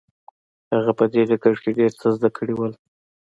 هغه په دې ډګر کې ډېر څه زده کړي وو.